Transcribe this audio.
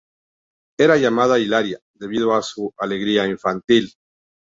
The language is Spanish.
Era llamada "Hilaria" debido a su alegría infantil.